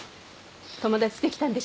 友達できたんでしょ？